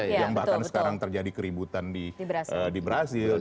yang bahkan sekarang terjadi keributan di brazil